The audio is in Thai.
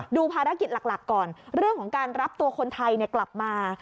ดูภารกิจหลักก่อนเรื่องของการรับตัวคนไทยกลับมา